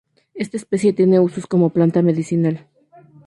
Esta especie tiene usos como planta medicinal.